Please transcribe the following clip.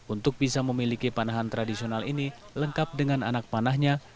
untuk bisa memiliki panahan tradisional ini lengkap dengan anak panahnya